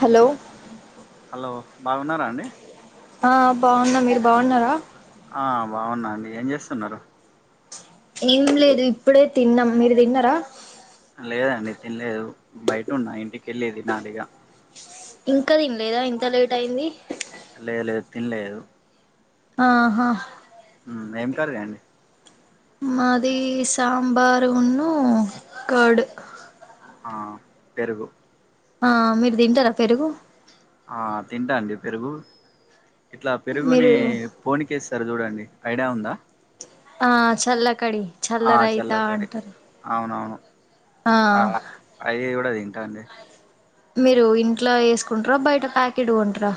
Hello hello బాగున్నారా అండి ఆ బాగున్న మీరు బాగున్నారా ఆ బాగున్నా అండి ఏం చేస్తున్నారు ఏం లేదు ఇప్పుడే తిన్నాం మీరు తిన్నారా లేదండి తినలేదు బయట ఉన్న ఇంటికెళ్ళి దినాలిగా ఇంకా తినలేదా ఇంత లేట్ అయింది లేదు లేదు తినలేదు ఆహా ఏం కర్రీ అండి మాది సాంబార్ ఉన్ను కడు ఆ పెరుగు ఆ మీరు తింటారా పెరుగు ఆ తింటా అండి పెరుగు ఇట్లా పెరుగుని మీరు ఫోనిక వేస్తారుా చూడండి ఐడియా ఉందా ఆ చల్లకడి చల్ల ఆ రైతా చల్లకర్రీ అంటారు అవునవును ఆ అలా అది కూడా తింటాను నేను మీరు ఇంట్లో వేసుకుంటారా బయట ప్యాకెడ్ కొంటార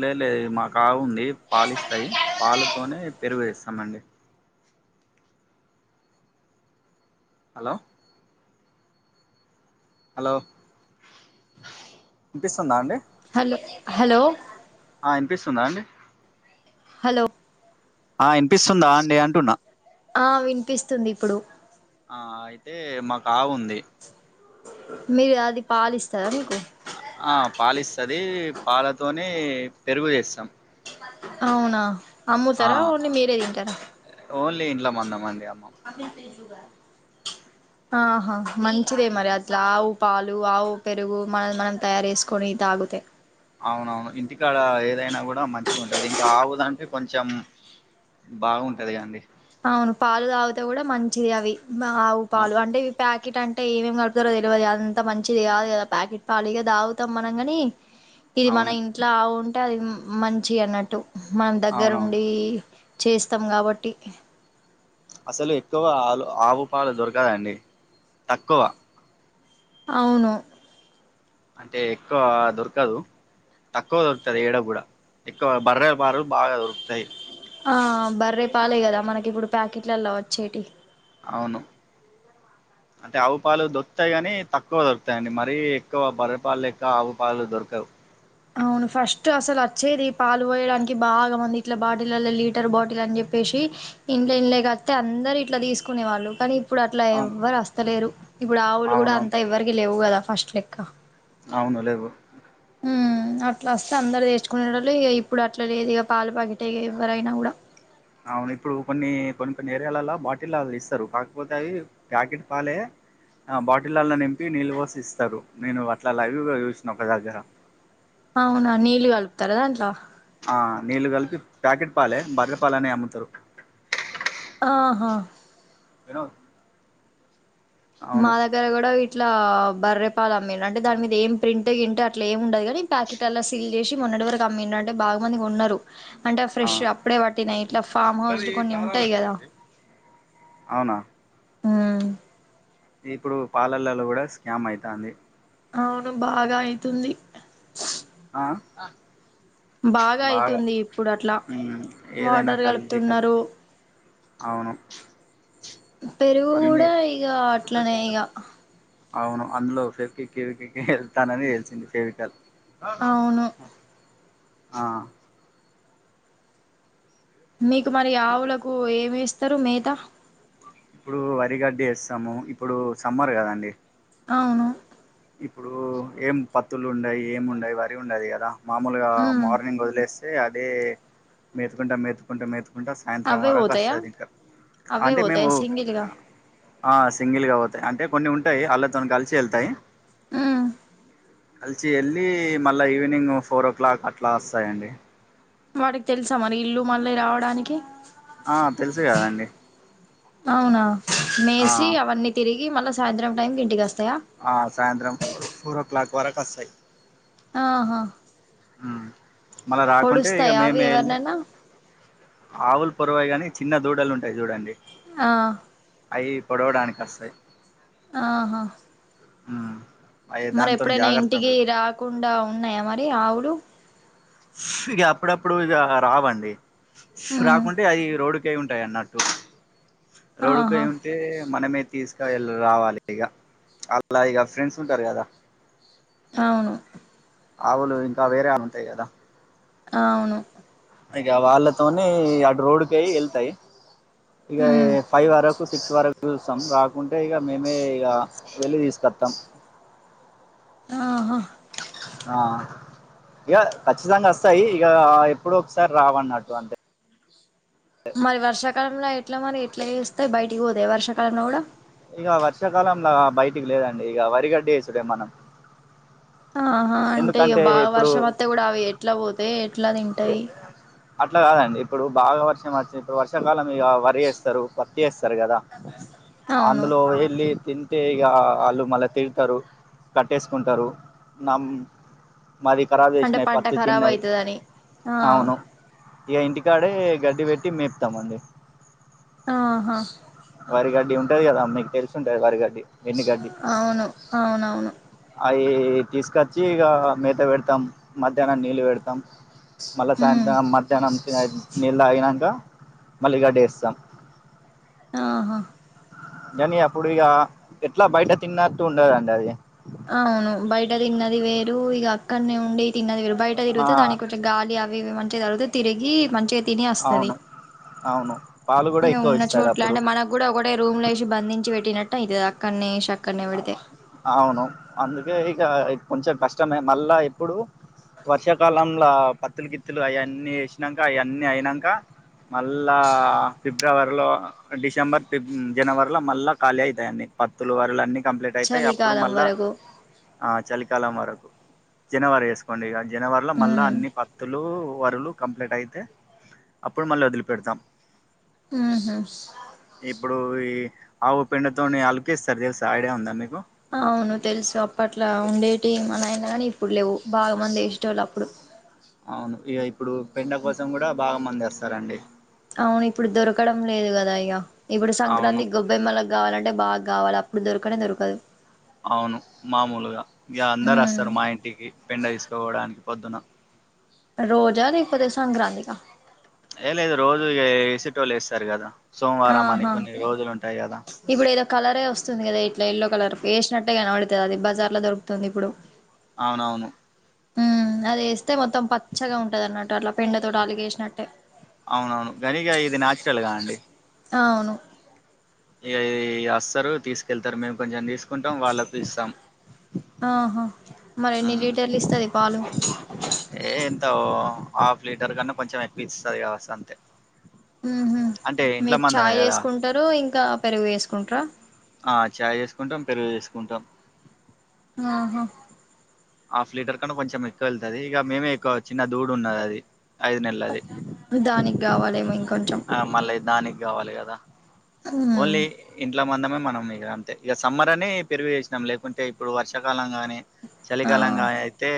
లే లేదు మా ఆవు ఉంది పాలు ఇస్తాయి పాలుతోనే పెరుగు వేస్తామ అండి హలో హలో ఇనిపిస్తుందా అండి హలో హలో ఆ వినిపిస్తుందండి హలో ఆ వినిపిస్తుందా అండి అంటున్నా ఆ వినిపిస్తుంది ఇప్పుడు ఆ అయితే మాకు ఆవు ఉంది. మీరు అది పాలు ఇస్తాది మీకు ఆ పాలిస్తది పాలతోనే పెరుగు చేస్తాం అవునా ఆ అమ్ముతారా ఓన్లీ మీరే తింటారా ఓన్లీ ఇంట్లో వంద మంది అమ్మం ఆహా మంచిదే మరి హ్మ్. అది ఇట్లా ఆవు పాలు ఆవు పెరుగు మన మనం తయారు చేసుకుని తాగుతే అవునవును ఇంటికాడ ఏదైనా కూడా మంచిగా ఉంటది ఇంకా ఆవుదంట కొంచెం బాగుంటుంది కాండి అవును పాలు తాగితే కూడా మంచిది అవి ఆవు అవు పాలు అంటే ఇవి ప్యాకెట్ అంటే అంటే ఏమేమి కడతారో తెలివదు అదంత మంచిది కాదు కదా ప్యాకెట్ పాాలు గా తాగుతాం మనం కాని ఇది మన అవును ఇంట్లో ఆవు ఉంటే అది మంచి అన్నట్టు మన అవునవును దగ్గరుండి చేస్తాం కాబట్టి అసలు ఎక్కువ ఆలు ఆవు పాలు దొరకదండి తక్కువ అవును. అంటే ఎక్కువ దొరకదు తక్కువ దొరుకుతంది ఏడ కూడా ఎక్కువ బర్రె పాలు బాగా దొరుకుతాయి ఆ బర్రే పాలే కదా మనకి ఇప్పుడు ప్యాకెట్లలో వచ్చేటి అవును అంటే ఆవు పాలు దొరుకుతాయి కానీ తక్కువ దొరుకుతాండి మరీ ఎక్కువ బర్రి పాలు లెక్క ఆవు పాలు దొరకవు అవును ఫస్ట్ అసలు వచ్చేది పాలు పోయడానికి బాగా మంది ఇట్లా బాటిళ్లలో లీటర్ బాటిల్ అని చెప్పేసి ఇంట్ల ఇళ్లకు వస్తే అందరు ఇట్లా తీసుకునే వాళ్ళు పడి ఇప్పుడు అట్లా అవును ఎవ్వరు వస్తలేరు ఇప్పుడు ఆవులు కూడా అవునవును అంత ఎవ్వరికి లేవు కదా ఫస్ట్ లెక్క అవును లేవు మ్మ్ అట్లా వస్తే అందరు తెచ్చుకునేటొళ్ళె ఇక ఇప్పుడు అట్లా లేదు ఇక పాలు ప్యాకెట్ ఎవరైనా కూడా అవును ఇప్పుడు కొన్ని కొన్ని కొన్ని ఏరియాలలో బాటిల్లలో ఇస్తారు కాకపోతే అవి ప్యాకిట్ పాలే ఆ బాటిల్లో నింపి నీళ్ళు పోసి ఇస్తారు నేను అట్లా లైవ్ చూసిన ఒక దగ్గర అవునా నీళ్లు కలుపుతార దాంట్లో ఆ నీళ్లు కలిపి ప్యాకెట్ పాలే బర్రెపాలనే అమ్ముతారు ఆహా విను మాద దగ్గర కూడా ఇట్లా బర్రెపాల్ అమ్మిండు అంటే దాని మీద ఏం ప్రింట్ గింటు ఏం ఉండదు కానీ ప్యాకెట్ సీల్ చేసి మొన్నటి వరకు అమ్మిండు అంటే బాగా మంది కొన్నారు అంటే ఆ ఫ్రెష్ అప్పుడే పట్టినా ఇట్లా ఫామ్ హౌజ్ లు కొన్ని ఉంటాయి కదా అవునా ఉమ్ ఇప్పుడు పాలల్లో కూడా స్కామ్ అయితాంది అవును బాగా అయితుంది ఆ బాగా అయితుంది ఇప్పుడు అట్లా మ్మ్ ఏదైనా వాటర్ కల్తీ కల్తే కలుపుతున్నరు అవును పెరుగు అన్నీ కూడా ఇక అట్లనే ఇగ అవును అందులో ఫేవకిక్ పెవికిక్ వెళ్తానని తెలిసింది ఫేవికల్ అవును ఆ మీకు మరి ఆవులకు ఏమి వేస్తారు మేతా ఇప్పుడు వరి గడ్డి వేస్తాము ఇప్పుడు సమ్మర్ కదా అండి అవును ఇప్పుడు ఏం పత్తులు ఉండయ్ ఏం ఉండయి వరి ఉండదు కదా మామూలుగా ఉమ్ మార్నింగ్ వదిలేసి తే అదే మెతుకుంట మెతుకుంటా మెతు కుంట సాయంత్రం అవే వరకు పోతయా వస్తాది ఇంకా అవే అంటే మేము పోతయా సింగిల్గా ఆ సింగిల్ గా పోతాయి అంటే కొన్ని ఉంటాయి వాళ్ళతోను కలిసి వెళ్తాయి ఉమ్ కలిసి వెళ్ళి మళ్ళా ఈవినింగ్ ఫోర్ ఓ క్లాక్ అట్లా వస్తాయండి వాటికి తెలుసా మరి ఇల్లు మళ్ళీ రావడానికి ఆ తెలుసు కాదండి అవునా ఆ మేసి అవన్నీ తిరిగి మళ్ళా సాయంత్రం టైం కి ఇంటికి వస్తాయా ఆ సాయంత్రం ఫోరో క్లాక్ వరకు వస్తాయి ఆహా మళ్ళా రాకుంటే ఇక పొడుస్తాయా అవి మిమే వెళ్ళి ఎవరినైనా ఆవులు పొరవాయి కానీ చిన్న దూడలు ఉంటాయి చూడండి ఆ అవి పొడవడానికి వస్తాయి ఆహా మ్మ్ మరి ఎప్పుడైనా ఇంటికి రాకుండా ఉన్నాయా మరి ఆవులు ఇగ అప్పుడప్పుడు ఇగ రావండి ఉమ్ రాకుంటే అవి రోడ్డు కేం ఉంటాయి అన్నట్టు రోడ్కె ఆహా ఉంటే మనమై తీసుకు వెళ్ళె రావాలి ఇగ అల్ల ఇగ ఫ్రెండ్స్ ఉంటారు కదా అవును ఆవులు ఇంకా వేరే ఆవు ఉంటాయి కదా అవును ఇక వాళ్ళతోనే అటు రోడ్ కయి వెళ్తాయి ఇక ఉమ్ ఫైవ్ వరకు సిక్స్ వరకు రాకుంటే ఇక మేమే ఇ వెళ్లి తీసుకొస్తాం ఆ హా ఆ ఇక ఖచ్చితంగా వస్తాయి ఇక ఎప్పుడు ఒకసారి రావన్నట్టు అంతే మరి వర్షాకాలంలో ఎట్లా మరి ఎట్లా చేస్తాయి బయటికి పోతాయి వర్షకాలంలో కూడా ఇక వర్షాకాలంలా బయటికి లేదండి ఇక వరిగడ్డి వేసుడే మనం ఆహా అంటే ఇక ఎందుకంటే బాగా ఇప్పుడు వర్షం వత్తే కూడా అవి ఎట్లా పోతాయి ఎట్లా తింటాయి అట్లా గాదండి ఇప్పుడు బాగా వర్షం అచ్చంది వర్షాకాలం ఇగ వరి యేస్తరు ప త్తి యేస్తరు గదా అవును అందులో యెళ్ళి తిం టే ఇగ ఆళ్ళు మళ్ళా తిడతారు కట్టేసుకుంటారు నం మాది కరాబ్ అంటే జేషినయి పంట పత్తి ఖరాబ్ తిన్నయి అయితదని ఆ అవును ఇగ ఇంటికాడే గడ్డి పెట్టి మేపుతామండి ఆ హా వరి గడ్డి ఉంటది కదా మీకు తెలిసుంటది వరి గడ్డి ఎన్ని గడ్డి అవును అవునవును అవి తీసుకచ్చి ఇగ మేత పెడతాం మధ్యాహ్నం నీళ్ళు పెడతాం మళ్ళ ఉమ్ సాయంత్రం మధ్యాహ్నం నీళు తాగినాక మళ్ళీ గడ్డిఏస్తాం ఆహా కానీ అప్పుడిగ ఎట్ల బయట తిన్నట్టు ఉండదండి అది అవును బయట దిన్నది వేరు ఇక అక్కనే ఉండి తిన్నది వేరు బయట ఆ తిరిగితే దాని కొంచం గాలి అవి ఇవి మంచిగా తగుల్ తే తిరిగి మంచిగా తిని వస్తది అవును అవును పాలు గూడా ఎక్కువ ఇస్తది అప్పుడు గూడా ఒకటే రూమ్ లో వేసి బంధించి పెట్టినట్టు అయితది అక్కనే ఏషి అక్కనే పెడితే అవును అందుకే ఇక కొంచెం కష్టమే మళ్ళా ఇప్పుడు వర్షాకాలం ఆ పత్తుల గిత్తులు అయన్నీ ఏసినాక అయన్నీ అయినాంక మళ్ళా ఫిబ్రవరిలో డిసెంబర్ ఫిబ్ జనవరిలో మళ్ళా ఖాళీ అయితాయి అన్ని పత్తులు వరలు అన్ని కంప్లీట్ అయితయి అప్పుడు చలికాలం మళ్ళా వరకు చలికాలం వరకు జనవరి వేసుకోండి ఇ జనవరిలో మళ్ళా ఉమ్ అన్ని పత్తులు వరులు కంప్లీట్ అయితే అప్పుడు మళ్ళీ వదిలిపెడతాం మ్ ఊహు ఇప్పుడు ఈ ఆవు పిండి తోని అలుకేస్తారు తెలుసా ఐడియా ఉందా మీకు అవును తెలుసు అప్పట్లా ఉండేటి మనయన గానీ ఇప్పుడు లేవు బాగా మంది ఏసెటోళ్ళు అప్పుడు అవును ఇగ ఇప్పుడు పెండ కోసం కూడా బాగా మంది వస్తారండి అవును ఇప్పుడు దొరకడం లేదు గ దా య్యఇక ఇప్పుడు అవును సంక్రాంతి గొబ్బెమ్మల గావాలంటే బాగ్గావాలి అప్పుడు దొరకనే దొరకదు అవును మామూలుగా ఇగ అందరు హ్మ్ వస్తారు మా ఇంటికి పెండ తీసుకపోవడానికి పొద్దున రోజ లేకపోతే సంక్రాంతి కా ఏ లేదు రోజు ఇగ యేసేటోలు వేస్తారు గదా సోమవారం అని ఆహా కొన్ని రోజులు ఉంటాయి గదా ఇప్పుడు ఏదో కలరే వస్తుంది గదా ఇట్లా ఎల్లో కలర్ వేసినట్టే కనబడుతది అది బజార్ లో దొరుకుతుంది ఇప్పుడు అవునవును ఉ అది యేస్తే మొత్తం పచ్చగా ఉంటది అన్నట్టు అట్లా పెండతోటి ఆలుగేసినట్టే అవునవును గనీ గా ఇది నాచురల్ గా అండి అవును ఇగా ఈ అస్తరు తీసుకెళ్తారు మేము కొంచెం తీసుకుంటాం వాళ్ళకు ఇస్తాం ఆహా మరి ఎన్ని మ్ లీటర్లు ఇస్తది పాలు ఏ ఎంత హాఫ్ లీటర్ కన్నా కొంచెం ఎక్కువిస్తది కావచ్చు అంతే ఊహు అంటే ఇంట్లో మీరు మందమే చాయ్ కదా జేసుకుంటరు ఇంకా పెరుగు జేసుకుంటరా ఆ ఛాయ్ జేసుకుంటాం పెరుగు జేసుకుంటాం ఆహా హాఫ్ లీటర్ కన్నా కొంచెం ఎక్కువ వెళ్తది ఇగ మేమే ఎక్కువ చిన్న దూడ ఉన్నది అది ఐదు నెలల అది దానికి గావాలేమో ఇంకొంచెం మళ్ళీ దానికి గావాలి గదా ఓన్లీ ఇంట్లో మందమే మనం ఇక అంతే ఇగ సమ్మర్ అని పెరుగు చేసినాం లేకుంటే ఇప్పుడు వర్షాకాలం గాని ఆ చలికాలం గాని తే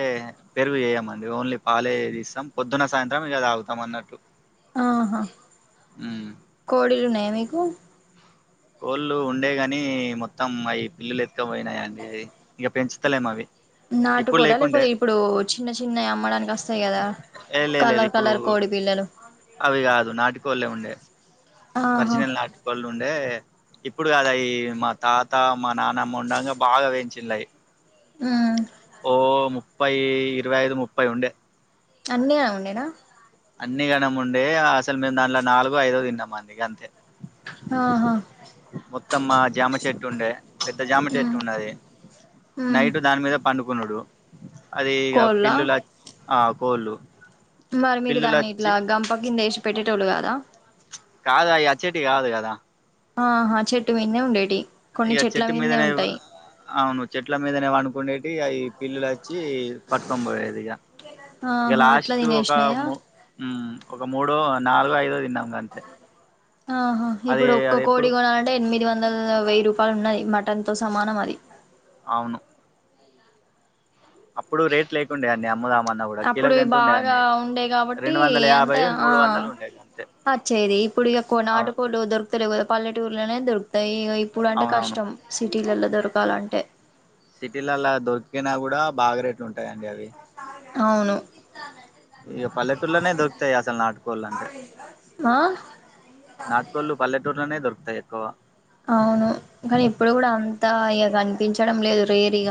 పెరుగు చేయమండి ఓన్లీ పాలే తీస్తాం పొద్దున్న సాయంత్రం ఇక తాగుతాం అన్నట్టు ఆహా ఉమ్. కోడిలు ఉన్నాయా మీకు కోళ్ళు ఉండేగాని మొత్తం అయి పిల్లులు ఎత్తుకపోయినాయ ఏది ఇగ పెంచుతలేము అవి ఇప్పుడు నాటుకోడా లేకుండే లేకపోతే ఇప్పుడు చిన్న చిన్నవి అమ్మడానికి వస్తాయి కదా ఏ లే లేదు కలర్ ఇప్పుడు కలర్ కోడి పిల్లలు అవి కాదు నాటుకోలే ఉండే ఆహా వరిజినల్ నాటు కోళ్ళు ఉండే ఇప్పుడు కాదు అయి మా తాత మా నాన్నమ్మ ఉండంగా బాగా పెంచిలు అయి ఆ ఓ ముప్పై ఇరువై ఐదు ముప్పై ఉండే అన్నీ గనం ఉండేనా అన్ని గణం ఉండే అసలు మేము దాంట్లో నాలుగో ఐదో తిన్నాము అండి గంతే ఆహా మొత్తం మా జామ చెట్టు ఉండే పెద్ద జామ చెట్టు ఉమ్ ఉన్నది ఉమ్ నైట్ దాని మీద పండుకునుడు అది ఇక కోళ్ళ పిల్లులు ఆ కోళ్ళు మరి మీరు దాన్ని ఇట్లా పిల్లులచ్చి గంప కింద వేసి పెట్టేటోళ్ళు కదా కాదు అవి అచ్చేటి కాదు కదా ఆహా చెట్టు మీన్నే ఉండేటి ఇగ చెట్టు మీదనే అవును చెట్ల మీదనే పండుకునేటి అయి అవి పిల్లుల వచ్చి పట్టుకొని పోయేది ఇగ ఇక ఆహా అట్లా లాస్ట్ ఒక తినేసినాయా ము ఒక మూడో నాలుగో ఐదో తిన్నాము గంతే ఆహా అది ఇప్పుడు ఒక్క అది కోడి ఎప్పుడు కొనాలంటే ఎనిమిది వంద వందల వెయ్యి రూపాయలు ఉన్నది మటన్ తో సమానం అది అవును అప్పుడు రేట్ లేకుండే అండి అమ్ముదాం మన్నా కూడా అప్పుడు కిలోకి ఎంత ఉండే బాగా అండి ఉండే కాబట్టి రెండు వందల యాభై మూడు వందలు ఉండే గంతే అచ్చేది ఇప్పుడు ఇక కొ నాటుకోళ్లు దొరు తెలియదు పల్లెటూర్లనే దొరుకుతాయి ఇగ ఇప్పుడు అంటే అవునవును కష్టం సిటీలల్లో దొరకాలంటే సిటీలలా దొరికినా కూడా బాగా రేట్లు ఉంటాయండి అవి అవును ఇగ పల్లెటూళ్లనే దొరుకుతాయి అసలు నాటుకోళ్ళు అంటే ఆ నాటుకోళ్లు పల్లెటుర్లనే దొరుకుతాయి ఎక్కువ అవును కానీ ఇప్పుడు కూడా అంతా ఇగ కనిపించడం లేదు రేర్ ఇగ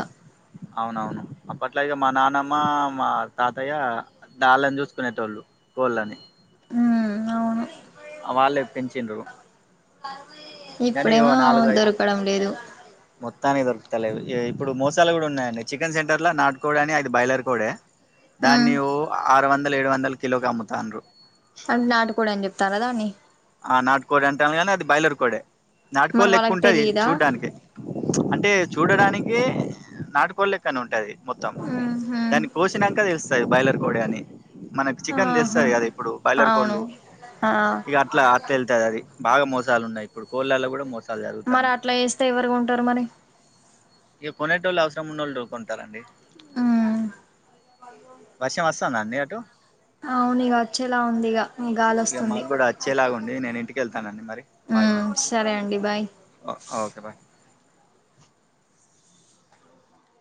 అవునవును అప్పట్లా ఇగ మా నానమ్మ మా తాతయ్య దాళ్ళని చూసుకునేటోళ్ళు. కోళ్ళని ఉ అవును వాళ్ళే పెంచిండ్రు కానీ ఓ ఇప్పుడేమో నాలుగు ఐదు దొరకడం లేదు మొత్తానికి దొరకతలేదు యే ఇప్పుడు మోసాలు కూడా ఉన్నాయండి, చికెన్ సెంటర్లో నాడుకోడి అని అది బైలార్ కోడే ఉమ్ దాన్ని ఓ ఆరు వందలు ఏడు వందలు కిలోకి అమ్ముతాండ్రు. అది నాటు కోడి అని చెప్తారా దాన్ని ఆ నాటుకోడి అంటాల్లు కాని అది బైలార్ కోడె మరి నాటుకోడి వాళ్ళకి లెక్కుంటాయ్ తెలీదా చూడ్డానికి. చ్ అంటే చూడడానికే నాటుకోడి లెక్కన ఉంటది మొత్తం ఉహు దాన్ని కోసినాంకా తెలుస్తాంది బైలార్ కోడే అని. మనకి చికెన్ ఆహా తెస్తాది కదా ఇప్పుడు బైలార్ అవును కోళ్ళు ఆ ఇక అట్లా అట్లయేల్తాది అది బాగా మోసాలు ఉన్నాయి ఇప్పుడు కోళ్ళల్లో కూడా మోస మరి అట్లా చేస్తే ఎవరు కొంటారు మరి ఇక కొనేటోళ్ళు అవసరం ఉన్నోళ్లు కొంటారండి మ్ వర్షం వస్తందా అండి అటు అవును ఇగ వచ్చేలా ఉంది ఇగ గాలి వస్తుంది అగోండి నేను ఇంటికి వెళ్తానండి మరి బాయ్ మ్ మరి సరే అండి బాయ్ ఓ ఓకే బాయ్.